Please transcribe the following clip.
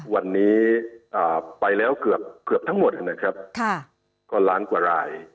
วันนี้ไปแล้วเกือบทั้งหมดนะครับก็ล้านกว่าราย